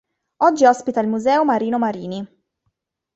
Oggi ospita il Museo Marino Marini.